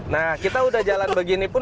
nah kita udah jalan begini pun